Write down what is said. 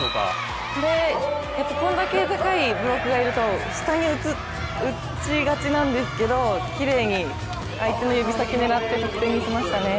これだけ高いブロックがいると、下に打ちがちなんですけどきれいに相手の指先狙って得点にしましたね。